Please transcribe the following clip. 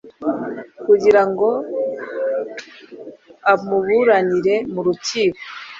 kugira ngo amuburanire mu rukiko.